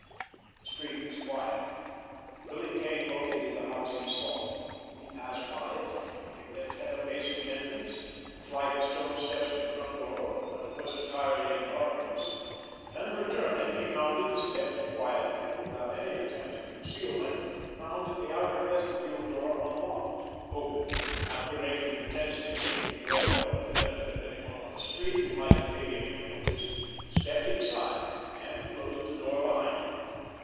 The street was quiet. Billy Kane located the house he sought. He passed by it, noting that it had a basement entrance, a flight of stone steps to the front door, that it was entirely in darkness, and, returning, he mounted the steps quietly and without any attempt at concealment, found the outer vestibule door unlocked, opened it—after making pretense of ringing the doorbell for the benefit of anyone on the street who might have paid him any notice—stepped inside, and closed the door behind him.